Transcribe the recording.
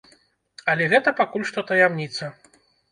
Але гэта пакуль што таямніца.